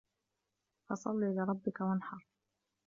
فَصَلِّ لِرَبِّكَ وَانحَر